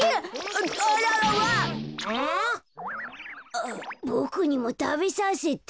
あボクにもたべさせて。